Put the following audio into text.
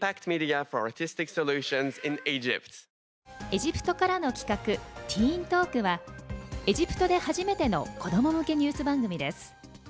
エジプトからの企画「ティーントーク」はエジプトで初めての子ども向けニュース番組です。